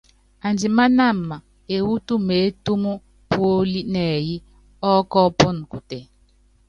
Andimánáma ewú tumeétúmu póli nɛyɛ ɔ́kɔɔ́pɔnɔ kutɛ.